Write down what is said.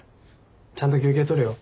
ちゃんと休憩とれよ。